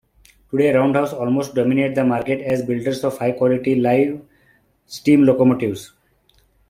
Today, Roundhouse almost dominate the market as builders of high quality live steam locomotives.